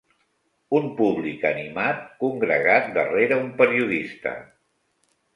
Un públic animat congregat darrere un periodista.